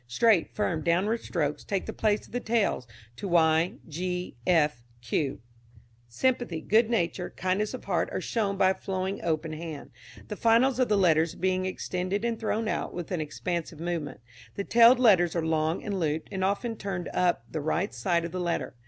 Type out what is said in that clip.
Straight, firm, downward strokes take the place of the tails to y, g, f, q. Sympathy, good nature, kindness of heart are shown by a flowing open hand, the finals of the letters being extended and thrown out with an expansive movement. The tailed letters are long and looped, and often turned up the right side of the letter.